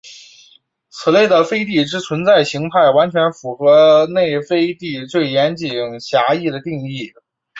此类的飞地之存在型态完全符合内飞地最严谨狭义的定义。